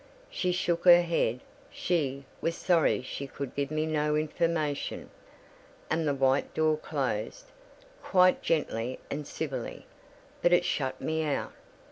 She shook her head, she "was sorry she could give me no information," and the white door closed, quite gently and civilly: but it shut me out.